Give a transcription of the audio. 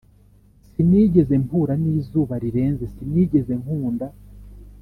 sinigeze mpura n'izuba rirenze sinigeze nkunda.